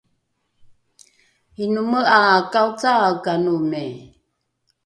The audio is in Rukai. inome ’a kaocaaekanomi?